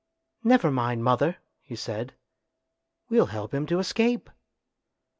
" Never mind, mother," he said, "we'll help him to escape."